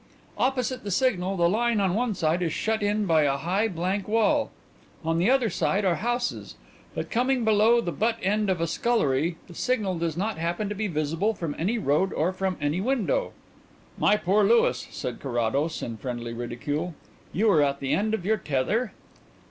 Opposite the signal the line on one side is shut in by a high blank wall; on the other side are houses, but coming below the butt end of a scullery the signal does not happen to be visible from any road or from any window." "My poor Louis!" said Carrados, in friendly ridicule. "You were at the end of your tether?"